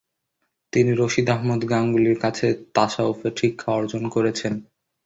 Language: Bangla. তিনি রশিদ আহমদ গাঙ্গুহির কাছে তাসাউফের শিক্ষা অর্জন করেছেন।